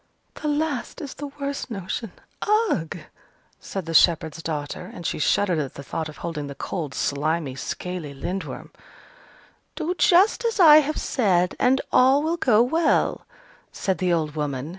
"The last is the worst notion ugh!" said the shepherd's daughter, and she shuddered at the thought of holding the cold, slimy, scaly Lindworm. "Do just as I have said, and all will go well," said the old woman.